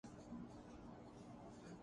معیز سخت محنت کر رہا ہے